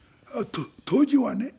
当時はね。